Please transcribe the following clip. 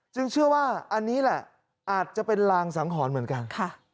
เชื่อว่าอันนี้แหละอาจจะเป็นรางสังหรณ์เหมือนกัน